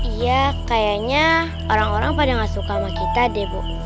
iya kayaknya orang orang pada gak suka sama kita deh bu